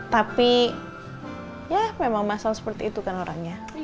tapi ya memang masal seperti itu kan orangnya